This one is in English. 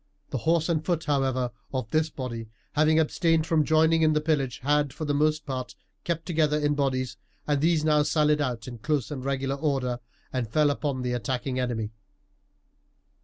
The horse and foot, however, of this body, having abstained from joining in the pillage, had, for the most part, kept together in bodies, and these now sallied out in close and regular order, and fell upon the attacking enemy.